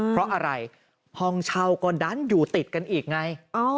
เพราะอะไรห้องเช่าก็ดันอยู่ติดกันอีกไง